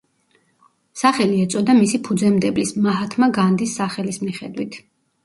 სახელი ეწოდა მისი ფუძემდებლის მაჰათმა განდის სახელის მიხედვით.